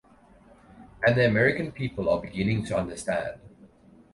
And the American people are beginning to understand.